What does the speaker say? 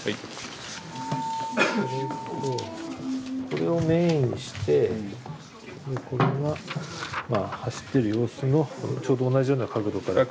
これをメインにしてでこれはまあ走ってる様子のちょうど同じような角度から。